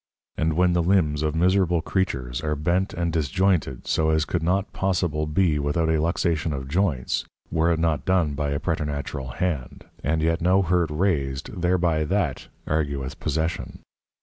And when the Limbs of miserable Creatures, are bent and disjointed so as could not possible be without a Luxation of Joints, were it not done by a preternatural Hand, and yet no hurt raised thereby that argueth Possession.